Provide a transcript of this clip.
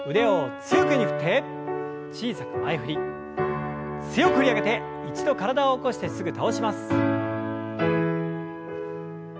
強く振り上げて一度体を起こしてすぐ倒します。